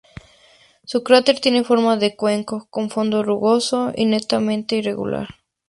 El cráter tiene forma de cuenco, con un fondo rugoso y netamente irregular.